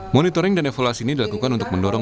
monitoring dan evaluasi ini dilakukan untuk mendorong